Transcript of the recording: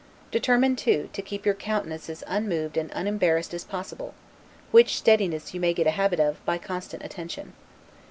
Determine, too, to keep your countenance as unmoved and unembarrassed as possible; which steadiness you may get a habit of, by constant attention.